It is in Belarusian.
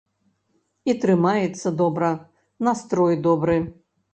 І трымаецца добра, настрой добры.